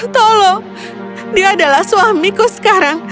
tolong dia adalah suamiku sekarang